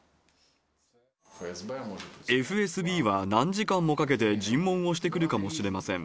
ＦＳＢは何時間もかけて尋問をしてくるかもしれません。